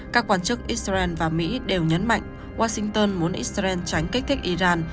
các quan chức israel và mỹ đều nhấn mạnh washington muốn israel tránh kích thích iran